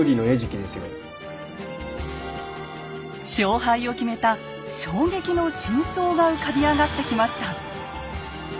勝敗を決めた衝撃の真相が浮かび上がってきました。